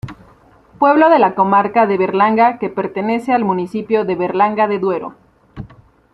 Pueblo de la Comarca de Berlanga que pertenece al municipio de Berlanga de Duero.